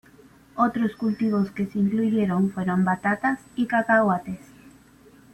Otros cultivos que se incluyeron fueron batatas y cacahuetes.